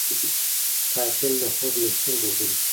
قاتل د خلکو له سترګو غورځي